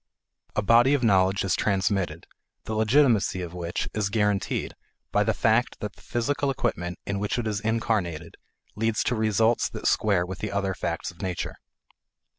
A body of knowledge is transmitted, the legitimacy of which is guaranteed by the fact that the physical equipment in which it is incarnated leads to results that square with the other facts of nature.